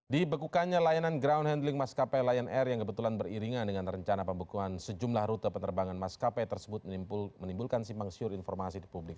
di bekukannya layanan ground handling maskapai lion air yang kebetulan beriringan dengan rencana pembekuan sejumlah rute penerbangan maskapai tersebut menimbulkan simpang siur informasi di publik